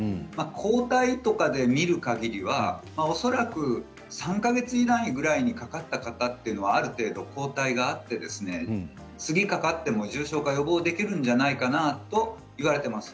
抗体とかで見るかぎりは恐らく３か月以内ぐらいにかかった方というのは、ある程度抗体があって次にかかっても重症化は予防できるんじゃないかなといわれています。